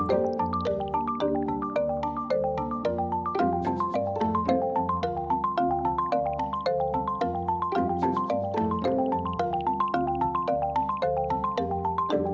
kali ini ktt ayora diselenggarakan di jakarta lima hingga tujuh maret mendatang